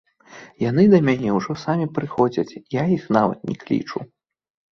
Яны да мяне ўжо самі прыходзяць, я іх нават не клічу.